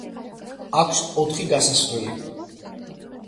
აქვს ოთხი გასასვლელი.